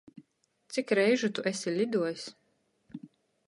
Cik reižu tu esi liduojs?